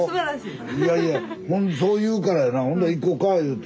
いやいやそう言うからやなほんだら行こうか言うて。